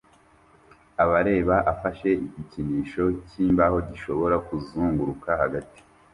abareba- afashe igikinisho cyimbaho gishobora kuzunguruka hagati